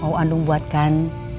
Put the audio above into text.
apa kau mau anulu buatkan